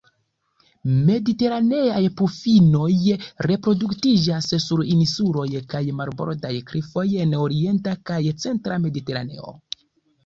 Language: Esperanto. Mediteraneaj pufinoj reproduktiĝas sur insuloj kaj marbordaj klifoj en orienta kaj centra Mediteraneo.